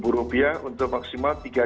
rp sepuluh untuk maksimal tiga jam ya